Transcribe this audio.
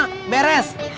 jangan beres beres satu